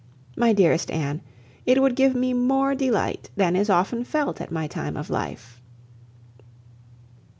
My dearest Anne, it would give me more delight than is often felt at my time of life!"